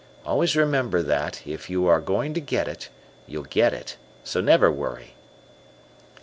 Always remember that if you are going to get it, you'll get it, so never worry."